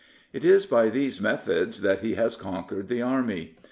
It is by these methods that he has conquered the Army.